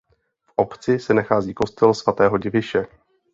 V obci se nachází kostel svatého Diviše.